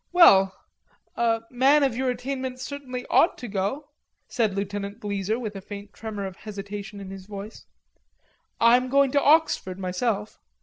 "Well, a man of your attainments certainly ought to go," said Lieutenant Bleezer, with a faint tremor of hesitation in his voice. "I'm going to Oxford myself."